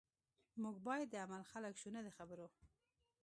موږ باید د عمل خلک شو نه د خبرو